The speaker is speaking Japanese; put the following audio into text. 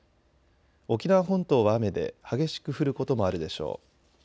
沖縄本島は雨で激しく降ることもあるでしょう。